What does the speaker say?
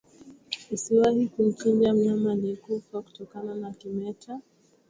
Usiwahi kumchinja mnyama aliyekufa kutokana na kimeta Mzoga wake haujikazi kushikamana au kukakamaa kama